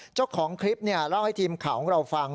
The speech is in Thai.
เจ้าของคลิปเล่าให้ทีมข่าวของเราฟัง